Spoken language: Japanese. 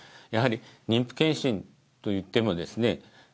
やはり妊婦検診といってもですね